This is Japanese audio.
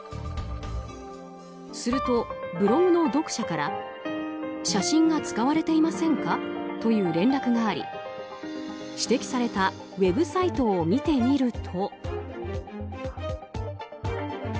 すると、ブログの読者から写真が使われていませんかという連絡があり、指摘されたウェブサイトを見てみると。